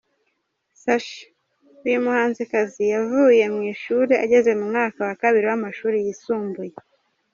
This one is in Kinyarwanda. Sacha: uyu muhanzikazi yavuye mu ishuri ageze mu mwaka wa kabiri w’amashuri yisumbuye.